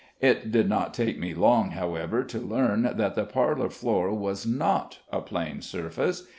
It did not take me long, however, to learn that the parlor floor was not a plane surface.